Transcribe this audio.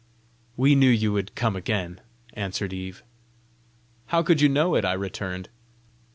"We knew you would come again!" answered Eve. "How could you know it?" I returned.